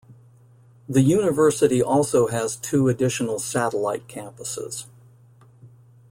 The university also has two additional satellite campuses.